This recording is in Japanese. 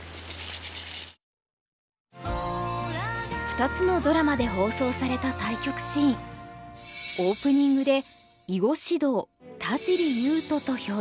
２つのドラマで放送された対局シーンオープニングで「囲碁指導田尻悠人」と表示されています。